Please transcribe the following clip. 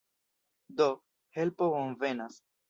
Do, helpo bonvenas.